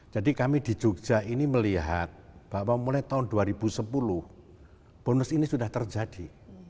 jadi kami di yogyakarta ini melihat bahwa mulai tahun dua ribu sepuluh bonus ini sudah terjadi